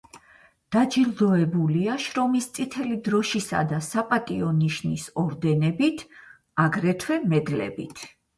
დაჯილდოებულია შრომის წითელი დროშისა და „საპატიო ნიშნის“ ორდენებით, აგრეთვე მედლებით.